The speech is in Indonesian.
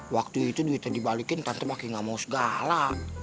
waktu itu duitnya dibalikin tante makin gak mau segala